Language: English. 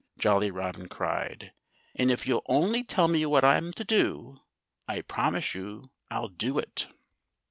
Jolly Robin cried. "And if you'll only tell me what I'm to do, I promise you I'll do it!"